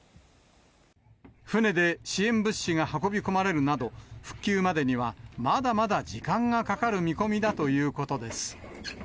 船で支援物資が運び込まれるなど、復旧までにはまだまだ時間がかかる見込みだということです。